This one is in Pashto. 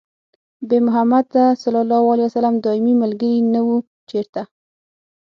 بې محمده ص دايمي ملګري نه وو چېرته